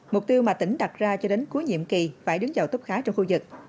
mục tiêu mà tỉnh đặt ra cho đến cuối nhiệm kỳ phải đứng vào tốc khá trong khu vực